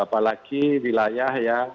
apalagi wilayah yang